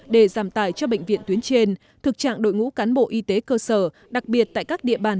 để giảm tài cho bệnh viện tuyến trên thực trạng đội ngũ cán bộ y tế cơ sở đặc biệt tại các địa bàn